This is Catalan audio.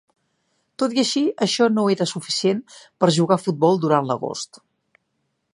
Tot i així, això no era suficient per jugar a futbol durant l'agost.